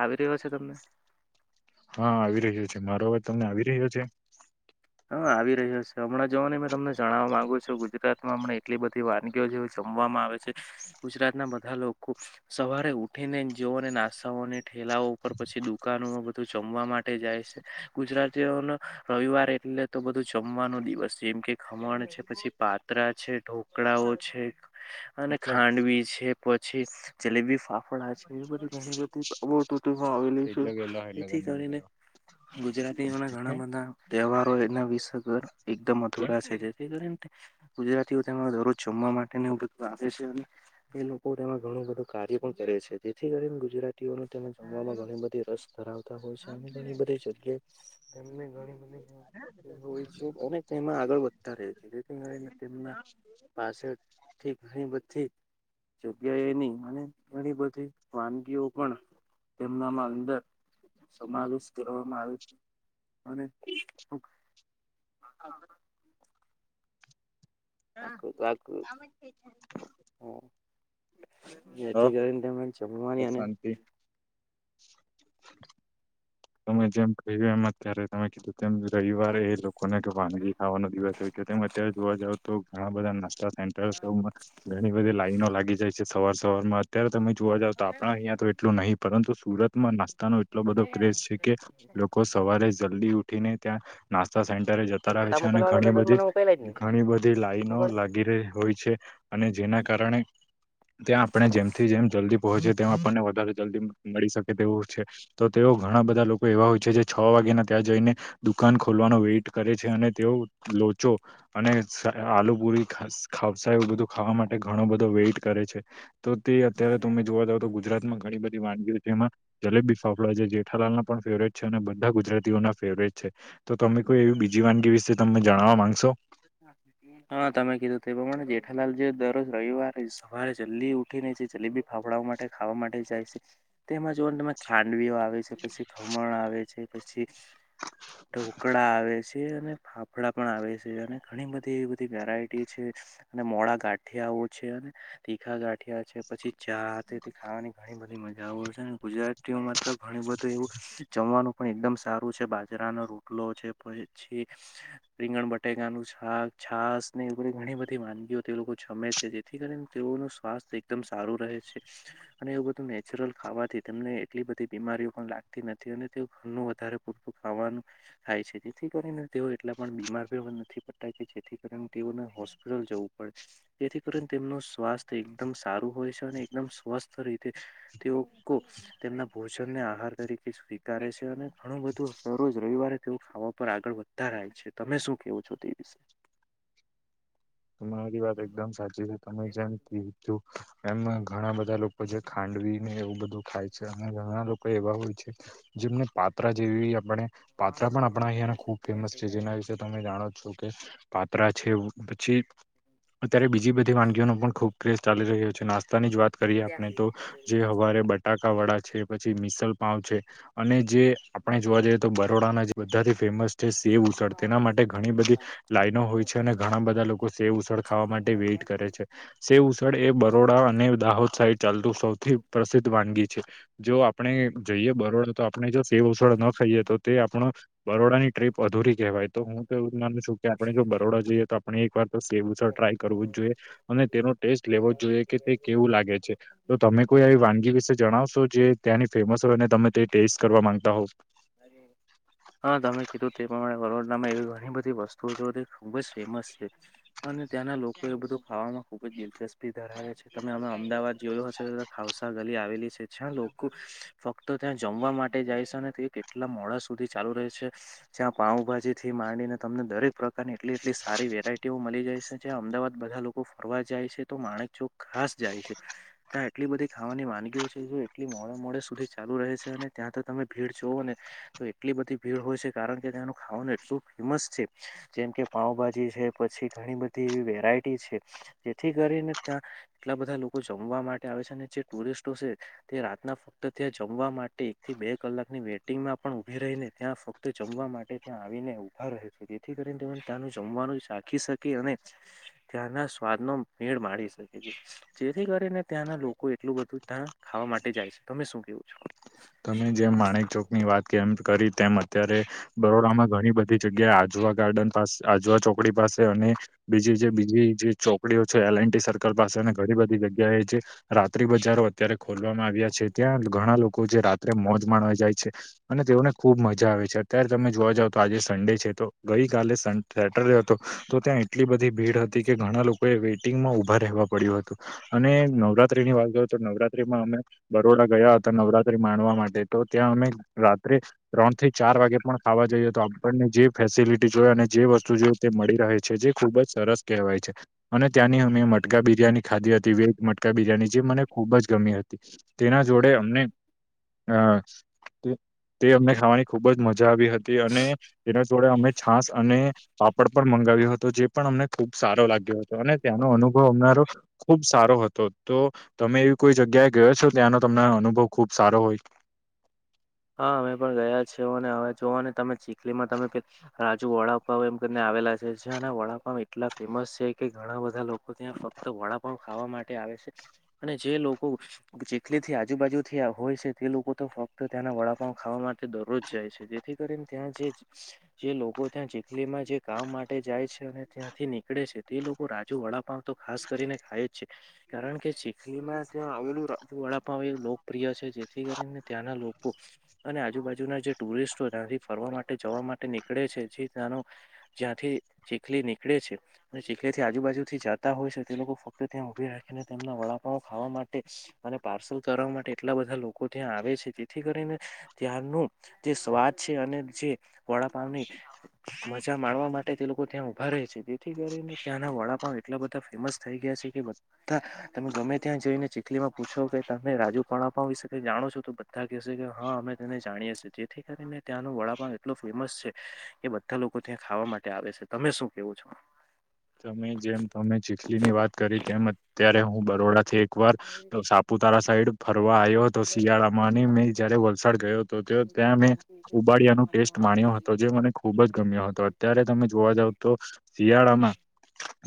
આવી રહ્યો છે, તમને? હા આવી રહ્યો છે, મારો અવાજ તમને આવી રહ્યો છે? હા આવી રહ્યો છે, હમણાં જોવાની મેં તમને જણવા માંગુ છું, ગુજરાત માં હમણા એટલી બધી વાનગીઓ જે જમવામાં આવે છે, ગુજરાત ના બધા લોકો સવારે ઉઠી ને જવો અને નાસ્તાઓને ઠેલાઓ ઉપર પછી દુકાનોમાં બધું જમવા માટે જાય છે. ગુજરાતીઓ નો રવિવારે એ ટલે તો બધું જમવાનો દિવસ જેમ કે ખમણ છે, પછી પાત્રા છે, ઢોકળાઓ છે, અને એટલે ખાંડવી છે, પછી જલેબી ફાફડા છે. એવી બધી ઘણી બધી [unintelligible] માં આવેલી છે, એટલે કે લ એટલે જેથી કરી કરીને બોલા ગુજરાતી ઓના ના ઘણા બધા તહેવાર [unintelligible] વિસર એકદમ અધુરા છે, જેથી ગુજરાતીઓ તેમાં જમવા માટેને એવું બધું આવે છે, અને એ લોકો તેમાં ઘણું બધું કાર્ય પણ કરે છે, જેથી કરીને ગુજરાત તીઓ જમામાં ઘણી બધી રસ ધરાવતા હોય છે, અને ઘણી બધી જગ્યાએ તેમને ઘણી બધી હોય છે, અને તેમાં આગળ વધતા રહે છે, જેથી કરીને તેમના પાસે ઘણી બધી જગ્યા એની અને ઘણી બધી વાનગીઓ પણ તેમના માં અંદર સમાવેશ કરવામાં આવે છે, અને ઓકે [unintelligible] હ જેથી કરીને તમને જમવાની બસ અને શાંતિ તમે જેમ કહ્યું એમ અત્યારે તમે કીધું તેમ રવિવારે એ લોકોને કે વાનગી ખાવાનો દિવસ હોય કે તેમ ત્યારે જોવા જાવ તો ઘણા બધા નાસ્તા સેન્ટર ઘણી બધી લાઈનો લાગી જાય છે, સવાર સવાર માં અત્યારે તમે જોવા જાવ તો આપણા અહીયાયા તો એટલું નહીં પરંત સુરતમાં નાસ્તાનો એટલો બધો ક્રેઝ છે, કે લોકો સવારે જલ્દી ઉઠીને ત્યાં નાસ્તા સેન્ટરે જતા તું રહે ફોટા છે, અને મોકલવાનો હતો ઘણી તો મને બધી મોકયલા જ નહી ઘણી બધી લાઈનો લાગી રહી હોય છે, અને જેના કારણે ત્યાં આપણે જેમથી જેમ જલ્દી પહોંચી તેમ આપણને વધારે જલ્દી મળી શકે તેવું છે. તો તેઓ ઘણા બધા લોકો એવા હોય છે, જે છ વાગ્યાના ત્યાં જઈને દુકાન ખોલવાનો વેટ કરે છે, અને તેઓ લોચો અને આલુ પુરી ખસા ખાવસા એવું બધું ખાવા માટે ઘણો બધો વેઇટ કરે છે. તો તે અત્યારે તમે જોવા જાવ તો ગુજરાતમાં ઘણી બધી વાનગીઓ છે, એમાં જલેબી ફાફડા છે, જેઠાલાલના પણ ફેવરેટ છે, અને બધા ગુજરાતીઓના ફેવરેટ છે, તો તમે કોઈ એવી બીજી વાનગી વિશે તમને જણાવવા માંગશો [unintelligible] હા તમે કીધું તે પ્રમાણે જેઠાલાલ જે દરરોજ રવિવારે સવારે જલ્દી ઉઠી ને છે, જે જલેબી ફાફડાવાઓ માટે ખાવા માટે જાય છે. તેમાં જોઓ ને તમે ખાંડવીઓ આવે છે, પછી ખમણ આવે છે, પછી આવે છે, અને ફાફડા પણ આવે છે, અને ઘણી બધી એ બધી વેરાયટી છે. અને મોડા ગાંઠિયાઓ છે, અને તીખા ગાંઠિયા છે, પછી ચા થી ખાવાની ઘણી બધી મજા આવ હોય છે, ને ગુજરાતીઓમાં તો ઘણું બધું એવું જમવાનું પણ એકદમ સારું છે, બાજરાનો રોટલો છે પછી રીંગણ બટેકા નું સાક છાસ ને એ બધ ઘણી બધી વાનગીઓ એ લોકો જમે છે. જેથી કરીને તેઓનું સ્વાસ્થ્ય એકદમ સારું રહે છે. અને એવું બધું નેચરલ ખાવાથી તેમને એટલી બધી બીમારીઓ પણ લાગતી નથી અને તે ઘરનું વધારે તું ખાવાનું થાય છે, જેથી કરીને તેઓ એટલા પણ બીમારી નથી પડતા કે જેથી કરીને તેઓને હોસ્પિટલ જવું પડે જેથી કરીને તેમનું સ્વાસ્થ એકદમ સારું હોય છે, અને એકદમ સ્વસ્થ રીતે તેઓ ખૂબ તેમના ભોજનને આહાર તરીકે સ્વીકારે છે, અને ઘણું બધું દરરોજ રવિવારે તેઓ ખાવા પર આગળ વધતા રહેય છે, તમે શું કેવો છો તે વિશે? તમારી વાત એકદમ સાચી છે, તમે જેમ કીધું એમ ઘણા બધા લોકો જે ખાંડવીને એવું બધું ખાય છે, અને ઘણા લોકો એવા હોય છે, જેમને પાત્રા જેવી આપણે પાત્રા પણ આપણા અહંયાને ખુબ ફેમસ છે, જેના વિસ તમે જાણો છો કે પાત્રા છે, પછી અત્યારે બીજી બધી વાનગીઓનો પણ ખુબ ક્રેઝ ચાલી રહ્યો છે, નાસ્તાની જ વાત કરીએ આપણે તો જે હવારે બટાકા વાળા છે પછી મિસલપાવ છે, અને જે આપણે જોવા જઈએ તો બરોડાના જે બધાથી ફેમસ સે ઉછડ તેના માટે ઘણી બધી લાઈનો હોય છે, અને ઘણા બધા લોકો સે ઉછળ ખાવા માટે વેઇટ કરે છે. સે ઉસળ એ બરોડા અને દાહોદ સાઈડ ચાલતું સૌથી પ્રસિદ્ધ વાનગી છે. જો આપણે જઈએ બરોડાો તો આપણે જો સેવછળ ન ખાઈએ તો તે આપણો બરોડાની ટ્રીપ અધુરી કહેવાય તો હું તો એવું જ માનું છું કે આપણે જો બરોડા જઈએ તો આપણે એક વાર તો સેવસડ ટ્રાય કરવું જ જોઈએ. અને તેનો ટેસ્ટ લેવો જોઈએ કે તે કેવું લાગે છે તો તમે કોઈ આવી વાનગી વિશે જણાવશો જે ત્યાંની ફેમસ હોય ને તમે તે ટેસ્ટ કરવા માંગતા હોવ. અને હા તમે કીધું તે પ્રમાણે વડોદરામાં એવી ઘણી બધી વસ્તુઓ જો તે ખુબ જ ફેમસ છે. અને ત્યાંના લોકો એ બધું ખાવામાં ખુબ જ દિલચસ્પી ધરાવે છે. તમે અમે અમદાવાદ જોયું હશે તો ખઉસા ગલી આવેલી છે. જ્યાં લોકો ફક્ત તો ત્યાં જમવા માટે જાય છે અને તે કેટલા મોડા સુધી ચાલુ રહે છે. જ્યાં પાઉભાજી થી માંડીને તમને દરેક પ્રકારની એટલી એટલી સારી વેરાયટીઓ મળી જાય છે જ્યાં અમદાવાદ બધા લોકો ફરવા જાય છે તો માણક જો ઘાસ જાય છે. ત્યાં એટલી બધી ખાવાની વાનગીઓ છે જે એટલી મોડાે મોડે સુધી ચાલુ રહે છે અને ત્યાં તો તમે ભીડ જોવ ને તો એટલી બધી ભીડ હોય છે કારણ કે તેંનું ખાવાનું એટલું ફેમસ છે. જેમ કે પાઉભાજી છે પછી ઘણી બધી એવી વેરાયટી છે જેથી કરીને ત્યાં એટલા બધા લોકો જમવા માટે આવે છે અને જે ટુરિસ્ટો છે તે રાતના ફક્ત ત્યાં જમવા માટે એકથી બે કલાકની વેટ માં પણ ઉભી રહીને ત્યાં ફક્ત જમવા માટે ત્યાં આવીને ઉભા રહ્યો છે જેથી કરીને તેમને ત્યાંનું જમવાનું શખી શકે અને ત્યાંના સ્વાદ નો મેળ મારી શકે જેથી કરીને ત્યાંના લોકો એટલું બધું ત્યાં ખાવા માટે જાય છે. તમે શું કેવું છો તમે જેમ માણેક ચોકની વાત કરી તેમ અત્યારે બરોડા માં ઘણી બધી જગ્યાએ આજવા ગાર્ડન પાસે આજવા ચોકડી પાસે અને બીજી જે બીજી જે ચોકડીઓ છે. એલ એન્ડ ડી સર્કલ પાસે ઘણી બધી જગ્યા એ જે રાત્રિ બજારો અત્યારે ખોલવામાં આવ્યા છે ત્યાં ઘણા લોકો જે રાત્રે મોજ માણવા જાય છે. અને તેઓને ખુબ મજા આવે છે અત્યારે તમે જોવા જાવ તો આજે સન્ડે છે. તો ગઈકાલે સ સેટરડે હતો તો ત્યાં એટલી બધી ભીડ હતી કે ઘણા લોકોએ વેઇટિંગમાં ઊભા રહેવા પડ્યું હતું. અને નવરાત્રી ની વાત કરું તો નવરાત્રીમાં અમે બરોડા ગયા હતા નવરાત્રી માણવા માટે તો ત્યાં અમે રાત્રે ત્રણ થી ચાર વાગે પણ ખાવા જઈએ તો આપણને જે ફેસિલિટી જો અને જે વસ્તુ જો તે મળી રહે છે જે ખુબ જ સરસ કહેવાય છે. અને ત્યાંની અમે મટકા બિરિયાની ખાધી હતી વેજ મટકા બિરયાની જે મને ખૂબ જ ગમી હતી તેના જોડે અમને હ તે અમને ખાવાની ખુબ જ મજા આવી હતી અને જેના જોડે અમે છાસ અને પાપડ પર મંગાવ્યો હતો જે પણ અમને ખુબ સારો લાગ્યો હતો અને ત્યાનો અનુભવ અમરો ખુબ સારો હતો તો તમે એવી કોઈ જગ્યાએ ગયો છો ત્યાંનો તમને અનુભવ ખુબ સારો હોય. હા અમે પણ ગયા છી અને હવે જોવા તમે ચીખલીમાં તમે રાજુ વડાપાવ એમ કરીને આવેલા છે જે વડાપાવ એટલા ફેમસ છે કે ઘણા બધા લોકો ત્યાં તો વડા પણ ખાવા માટે આવે છે. અને જે લોકો જે ચીખલીથી આજુબાજુથી હોય છે તે લોકો તો ફક્ત ત્યાંના વડાપાવ ખાવા માટે દરરોજ જાય છે જેથી કરીને ત્યાં જે લોકો ત્યાં ચીખલીમા જે કામ માટે જાય છે અને ત્યાંથી નીકળે છે તે લોકો રાજુ વડાપાવ તો ખાસ કરીને ખાય જ છે. કારણ કે ચીખલીમાં ત્યાં આવેલું વડાપાવ એ લોકપ્રિય છે. જેથી કરીને ત્યાંના લોકો અને આજુબાજુના જે ટુરિસ્ટો ત્યાંથી ફરવા માટે જવા માટે નીકળે છે જે ત્યાનો જ્યાંથી ચીખલી નીકળે છે. અને જે કથી આજુબાજુ થી જતા હોય છે તે લોકો ફક્ત ત્યાં ઉભી રાખીને તેમના વડાપા ખાવા માટે અને પાર્સલ કરવા માટે એટલા બધા લોકો ત્યાં આવે છે. તેથી કરીને ત્યાંનું જે સ્વાદ છે અને જે વડાપાવની મજા માણવા માટે તે લોકો ત્યાં ઉભા રહે છે તેથી કરીને ત્યાંના વડાપાઉ એટલા બધા ફેમસ થઈ ગયા છે કે હા, તમે ગમે ત્યાં જઈને ચીખલી માં પૂછો કે તમે રાજુ પણણ આપ વિશેકે જાણો છો તો બા કે કે હા અમે તેને જાણીએ છીએ જેથી કરીને ત્યાંનું વડાપાન એટલું ફેમસ છે, કે આ લોકો ત્યાં ખાવા માટે આવે છે તમે શું કેવો છો? તમે જેમ તમે ચીખલી ની વાત કરી તેમ અત્યારે હું બરોડા થી એક એક વાર તો સાપુતારા સાઈડ ફરવા આવ્યો હતો શિયાળામાં મેં જયારે વલસાડ ગયો તો તે ત્યાં મેં ઉબાડિયા ન ટેસ્ટ માણ્યો હતો જે મને ખુબ જ ગમ્યો હતો. અત્યારે તમે જોવા જાવ તો શિયાળામાં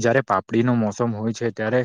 જયારે પાપડીનું મોસમ હોય છે, ત્યારે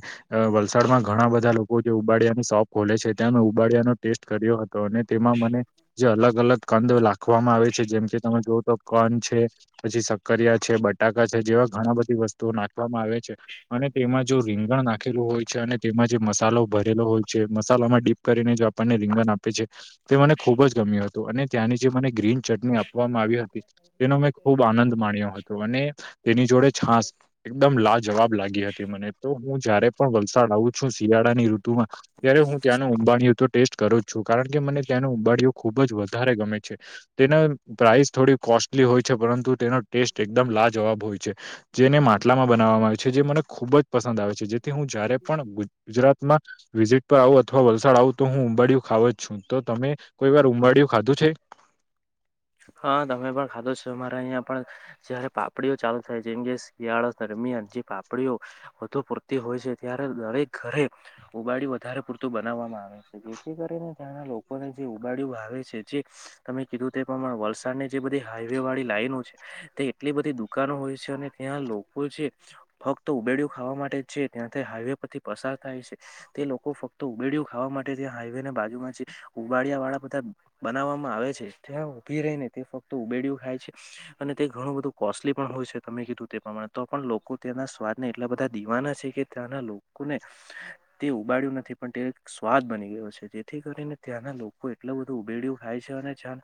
વલસાડમાં ઘણા બધા લોકો જે ઉબાડ્યા અને સોફ ખોલે છે ત્યાં મેં ઉબાડ્યાનો ટેસ્ટ કર્યો હતો અને તેમાં મને જે અલગ અલગ કંદ લાગ ખવામાં આવે છે, જેમ કે તમે જોઓ તો કોન છે પછી સકરિયા છે બટાકા છે જેવા ઘણા બધી વસ્તુઓ નાખવામાં આવે છે, અને તેમાં જો રીંગણ નાખેલું હોય છે, અને તેમાં જે મસાલો ભરેલો હોય છે, મસાલામાં ડીપ કરીને જો આપણને રીંગણ આપે છે, તે મને ખુબ જ ગમ્યું હતું અને ત્યાંની જે મને ગ્રીન ચટણી આપવામાં આવી હતી તેનો મેં ખૂબ આનંદ માણ્યો હતો, અને તેની જોડે છાસ એકદમ લા જવાબ લાગી હતી મને તો હું જયારે પણ વલસાડ આવું છ શિયાળાની ઋતુમાં ત્યારે હું ત્યાંનો ઉંબાડીયો તો ટેસ્ટ કરો જ છું કારણ કે મને ત્યાંનો ઉંબાડીઓ ખુબ જ વધારે ગમે છે. તેના પ્રાઈસ થોડી કોસ્ટલી હોય છે, પરંતુ તેનો ટેસ્ટ એકદમ લાજવાબ હોય છે જેને માટલામાં બનાવવામાં આવે છે જે મને ખૂબ જ પસંદ આવે છે, જેથી હું જયારે પણ ગુજરાતમાં વિઝિટ પર આવું અથવા વલસાડ આવું તો હું ઉંબાડીયું ખાવ જ છું. તો તમે કોઈ વાર ઉમરળયું ખાધું છે? હા, તમે પણ ખાધો છો મારે અહીંયા પણ જયારે પાપડીઓ ચાલુ થાય જેમ કે શિયાળા દરમિયાન જે પાપડીઓ વધુ પૂરતી હોય છે, ત્યારે દરેક ઘરે ઉબાડી વધારે પૂરતું બનાવવામાં આવે છે. જેથી કરીને ત્યાંના લોકોને જે ઉબાડ્યું આવે છે, જે તમે કીધું તે પ્રમાણે વલસાડ ની જે બધી હાાઈવે વાળી લાઈનો છે. તે એટલી બધી દુકાનો હોય છે, અને ત્યાં લોકો જે ફક્ત ઉબેડું ખાવા માટે છે, ત્યાંથી હાઈવે પરથી પસાર થાય છે. તે લોકો ફક્ત ઉબેડયું ખાવા માટે ત્યાં હાઈવેને બાજુમાં છે, ઉબાડિયા વાળા બધા બનાવવામાં આવે છે, ત્યાં ઉભી રહીને તે ફક્ત ઉબેડયું ખાય છે, અને તે ઘણું બધું કોસ્ટલી પણ હોય છે, તમે કીધું તે પ્રમાણે તો પણ લોકો તે્યાંના સ્વાદને એટલા બધા દીવાના છે, કે ત્યાના લોકોને તે ઉબાડ્યું નથી પણ તે એક સ્વાદ બની ગયો છે, જેથી કરીને ત્યાંના લોકો એટલું બધું ઉબેડ્યું ખાય છે અને જ્યાં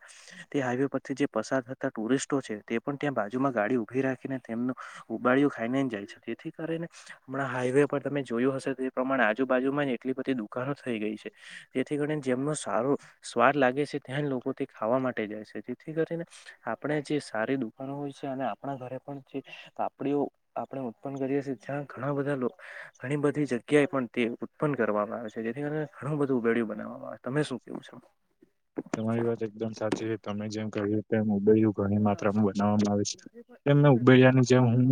તે હાઈવે પરથી જે પસાર થતા ટુરિસ્ટો છે તે પણ ત્યાં બાજુમાં ગાડી ઉભી રાખીને તેમનું ઉબાળીઓ ખાઈને જાય છે, તેથી કરી ને હમણા હાઈવે પર તમે જોયું હશે તે એ પ્રમાણે આજુબજુમાં ને એટલી બધી દુ કાનો થઈ ગઈ છે, જેથી કરી જેમનો સારો સ્વાદ લાગે છે ત્યાં લોકો ખાવા માટે જાય છે, જેથી કરીને આપણે જે સારી દુકાનો હોય છે અને આપણા ઘરે પણ જે આપણે આપણેે ઉત્પન્ન કરીએ છીએ, જ્યાં ઘણા બધા ઘણી બધી જગ્યાએ પણ તે ઉત્પન્ન કરવામાં આવે છે જેથી કરીને ઘણું બધું ઉેડું બનાવવામાં આવે છે, તમે શું કેવું છો? [unintelligible] તમારી વાત એકદમ સાચી છે તમે જેમ કહીએ તેમ ઉબઈું ઘણી માત્રામાં બનાવવામાં આવે છે. તેમ એ મેં પ્રકારનું ઉબેડિયાની જેમ હું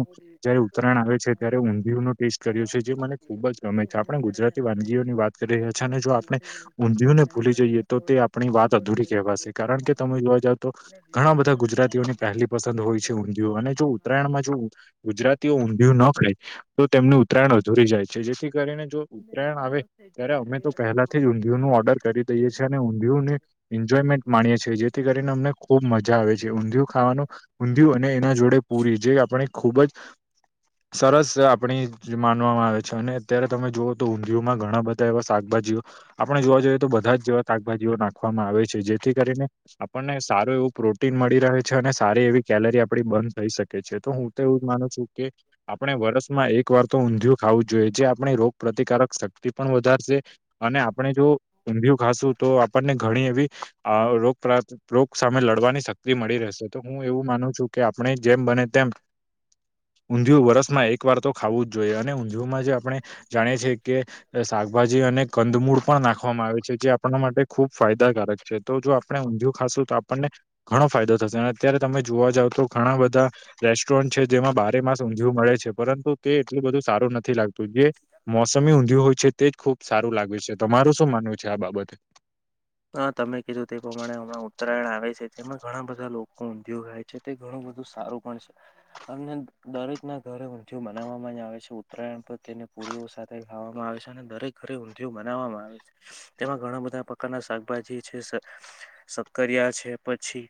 જયારે ઉત્તરાયણ આવે છે ત્યારે ઊંધિય નનો ટેસ્ટ કર્યો છે, જે મને ખુબ જ ગમે છે આપણે ગુજરાત વાનગીઓની વાત કરી રહ્યા છે અને જો આપણે ઊંધિયુને ભૂલી જઈએ તો તે આ પની વાત અધૂરી કવાશે, કારણ કે તમે જોવા જાવ તો ઘણા બધા ગુજરાતીઓની પહેલી પસંદ હોય છે [unintelligible] અને જો ઉત્તરાયણમાં જો ગુજરાતીઓ ઊંધિયું ન ખાય તો તેમનું ઉત્તરાયણ અધૂરી જાય છે, જેથી કરીને ઉત્તરાયણ આવે ત્યારે અમે તો પહેલાથી જ ઊંધિયુંનું ઓર્ડર કરી દઈએ છે, અને એજોયમેન્ટ માણીએ છે, જેથી કરીને અમને ખુબ મજા આવે છે, ઊંધિયું ખાવાનું ઊંધિયું અને એના જોડે પૂરી જે આપણે ખૂબ જ સરસ આપણી માનવામાં આવે છે, અને અત્યારે તમે જુઓ તો ઊંધિયુમાં ઘણા બ એવા શાકભાજીઓ આપણે જોવા જઈએ તો બધા જ જેવા શાકભાજીઓ નાખવામાં આવે છે, જેથી કરીને આપણને સારું એવું પ્રોટીન મળી રહે છે, અને સારી એવી કેલરી આપડી બન થઈ શકે છે, તો હું એવું માનું છું કે આપણે વર્ષમાં એક વાર તો ઊંધિયું ખાવું જોઈએ જે આપણે રો પ્રતિકારક શક્તિ પણ વધારશે અને આપણે જો ઊંધિયું ખાશું તો આપણને ઘણી એવી આ રોગ પ્રા રોગ સામે લડવાની શક્તિ મળી રહેશે તો હું એવું માનું છું કે આપણે જેમ બને તેમ ઊંધયું વરસમાં એક વાર તો ખાવું જ જોઈએ અને ઊંધિયુંમાં જે આપણે જાણીએ છીએ કે શાકભાજી અને કંદમૂળ પણ નાખવામાં આવે છે, જે આપણા માટે ખુબ ફાયદાકારક છે, તો જો આપણે ઊંધિયું ખાશું તો આપણને ઘણો ફાયદો થશે અને અત્યારે તમે જોવા જાવ તો ઘણા બધા રેસ્ટોરન્ટ છે, જેમાં બારે માસ ઊંધિયું મળે છે, પરંતુ તે એટલું બધું સારું નથી લાગ તો જે મોસમી ઊંધિયું હોય છે, તે જ ખુબ સારું લાગે છે, તમારું શું માનવું છે આ બાબતે? હા તમે કીધું તે પ્રમાણે હમણાં ઉત્તરાયણ આવે છે, જેમાં ઘણા બધા લોકો ઊંધિયું ખાય છે. તે ઘણું બધું સારું પણ છે. અને દરેક ના ઘરે ઊંધિયું મનાવામાં જ આવે છે, ઉત્તરાયણ પર તેને પુરીઓ સાથે ખાવામાં આવે છે, અને દરેક ઘરે ઊંધિયું બનાવવામાં આવે છે, તેમાં ઘણા બધા કાના શાકભાજી છે, શક્કરિયા છે, પછી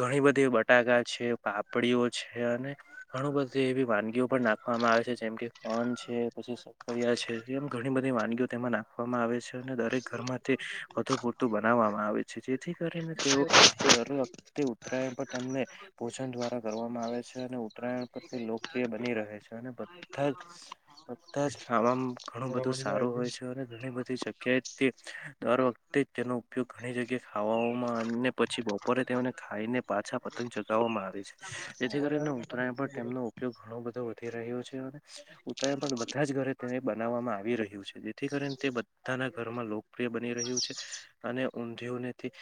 ઘણી બધી બટાકા છે, પાપડીઓ છે, અને ઘણું બધુ એવી વાનગીઓ પણ નાખવામાં આવે છે, જેમ કે કોન છે, પછી કર્યા છે એમ ઘણી બધી વાનગીઓ તેમાં નાખવામાં આવે છે, અને દરેક ઘરમાં તે વધુ પૂરતું બનાવવામાં આવે છે, જેથી કરીને તેઓ દર વખતે ઉત્તરાયણ પર તેમને ભોજન દ્વારા કરવામાં આવે છે, અને ઉત્તરાયણ પર તે લોકપ્રિય બની રહે છે, અને બધા જ બધા જ ખાવામાં ઘણું બધું સારું હોય છે, અને ઘણી બધી કે તે દર વખતે તેનો ઉપયોગ ઘણી જગ્યાએ ખાવામાં અને પછી બપોરે તેમને ખાઈને પાછા પતંગ ચગાવવામાં આવે છે, જેથી કરીને ઉતરાયણ પર તેમનો ઉપયોગ ઘણો બધો થય રહ્યો છે, ઉત્તરાયણ પણ બધા જ ઘરે તેને બનાવવામાં આવી રહ્યું છે, જેથી કરીને તે બધાના ઘરમાં લોકપ્રિય બની રહ્યું છે, અને ઊંધીયુને તે